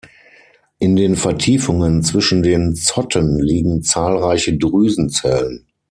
In den Vertiefungen zwischen den Zotten liegen zahlreiche Drüsenzellen.